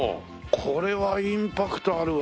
これはインパクトあるわ。